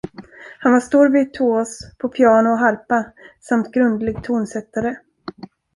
Han var stor virtuos på piano och harpa samt grundlig tonsättare.